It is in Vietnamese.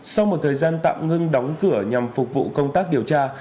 sau một thời gian tạm ngưng đóng cửa nhằm phục vụ công tác điều tra